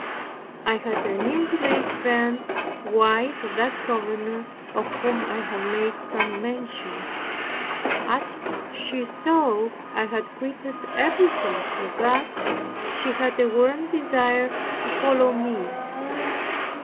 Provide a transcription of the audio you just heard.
I had an intimate friend, wife of that governor of whom I have made some mention. As she saw I had quitted everything for God, she had a warm desire to follow me.